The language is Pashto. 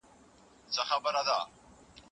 راډيوګانې له دغو وسيلو استفاده کوي.